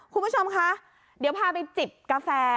คุณผู้ชมคะเดี๋ยวพาไปจิบกาแฟ